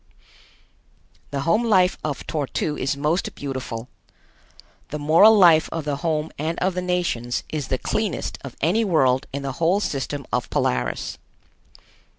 The home life of Tor tu is most beautiful. The moral life of the home and of the nations is the cleanest of any world in the whole system of Polaris.